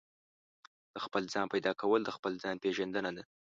د خپل ځان پيدا کول د خپل ځان پېژندنه ده.